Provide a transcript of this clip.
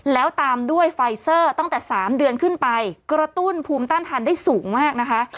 แล้วตามด้วยไฟเซอร์ตั้งแต่๓เดือนขึ้นไปกระตุ้นภูมิต้านทานได้สูงมากนะคะ